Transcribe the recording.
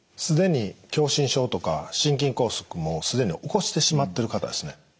すでに狭心症とか心筋梗塞もすでに起こしてしまっている方ですね